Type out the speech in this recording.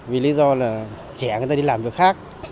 vì lý do là trẻ người ta đi làm việc khác